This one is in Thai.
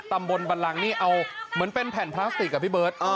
ตำบลบันลังนี่เอาเหมือนเป็นแผ่นพลาสติกอ่ะพี่เบิร์ต